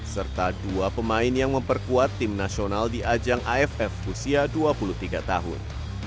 serta dua pemain yang memperkuat tim nasional di ajang aff usia dua puluh tiga tahun